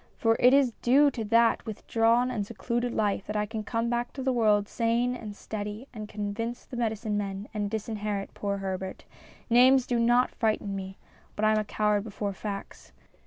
For it is due to that with drawn and secluded life that I can come back to. the world sane and steady and convince the medicine men and disinherit poor Herbert. Names do not frighten me, but I am a coward before facts.